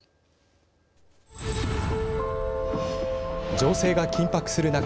情勢が緊迫する中